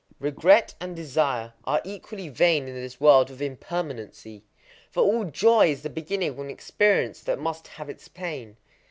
Regret and desire are equally vain in this world of impermanency; for all joy is the beginning of an experience that must have its pain.